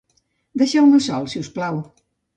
Deixeu-me sol, si us plau.